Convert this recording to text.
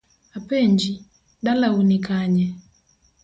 Apenji, dalau ni kanye?